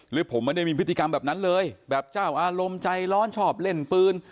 หรือผมไม่ได้มีพฤติกรรมแบบนั้นเลยแบบเจ้าอารมณ์ใจร้อนชอบเล่นปืน